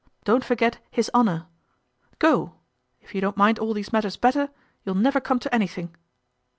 Don't forget his honour. Go; if you don't mind all these matters better, you'll never come to anything."